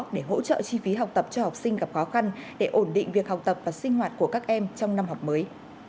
để hỗ trợ chi phí học tập cho học sinh gặp khó khăn để ổn định việc học tập và sinh hoạt của các em trong năm học mới